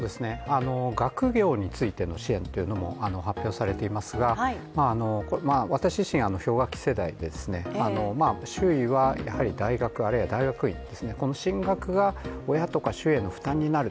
学業についての支援というのも発表されていますが、私自身、氷河期世代で周囲はやはり大学、あるいは大学院ですね、この進学が親とか周囲への負担になる。